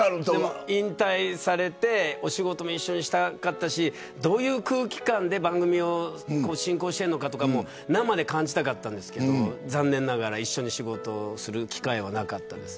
引退されてお仕事も一緒にしたかったしどういう空気感で番組を進行しているのかも生で感じたかったんですけど残念ながら一緒に仕事をする機会はなかったです。